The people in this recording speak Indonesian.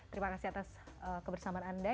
terima kasih atas kebersamaan anda